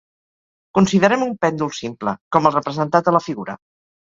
Considerem un pèndol simple, com el representat a la Figura.